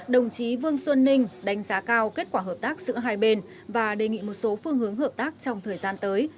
đồng chí vương xuân ninh đánh giá cao kết quả hợp tác giữa hai bên và đề nghị một số phương hướng hợp tác trong thời gian tới